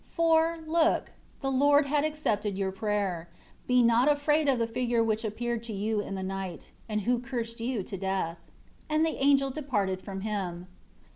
For, look, the Lord had accepted your prayer. Be not afraid of the figure which appeared to you in the night, and who cursed you to death." And the angel departed from him.